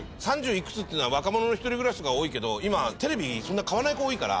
いくつっていうのは若者の一人暮らしが多いけど今テレビそんなに買わない子多いから。